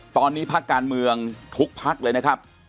ตอนนี้ภาคการเมืองทุกภาคเลยนะครับ